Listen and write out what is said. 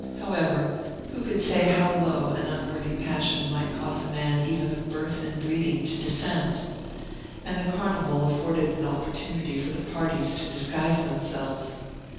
However, who could say how low an unworthy passion might cause a man even of birth and breeding to descend? And the carnival afforded an opportunity for the parties to disguise themselves.